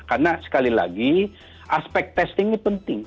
karena sekali lagi aspek testingnya penting